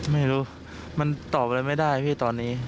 ไม่รู้มันตอบอะไรไม่ได้พี่ตอนนี้